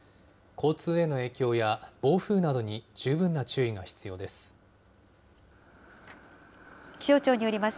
交通への影響や、暴風などに十分な注意が必要です。